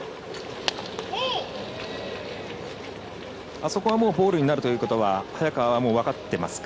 あそこはボールになるということは早川は分かってますか。